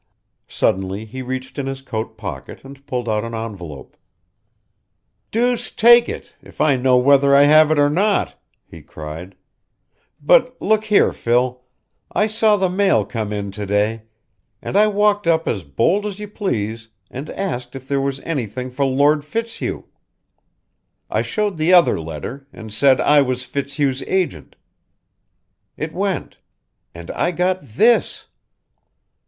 Suddenly he reached in his coat pocket and pulled out an envelope. "Deuce take it, if I know whether I have or not!" he cried. "But look here, Phil. I saw the mail come in to day, and I walked up as bold as you please and asked if there was anything for Lord Fitzhugh. I showed the other letter, and said I was Fitzhugh's agent. It went. And I got this!"